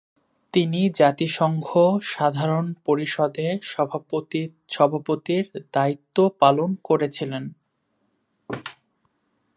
তিনি জাতিসংঘ সাধারণ পরিষদে সভাপতির দায়িত্বও পালন করেছিলেন।